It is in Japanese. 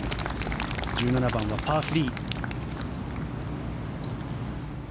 １７番のパー３。